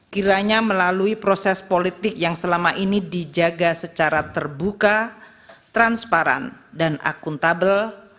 kiranya melalui proses politik yang selama ini dijaga secara terbuka transparan dan akuntabel